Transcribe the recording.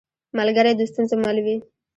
ملګری د ستونزو مل وي